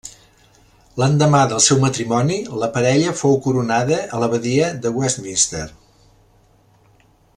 L'endemà del seu matrimoni, la parella fou coronada a l'Abadia de Westminster.